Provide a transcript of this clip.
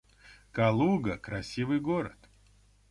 Калуга — красивый город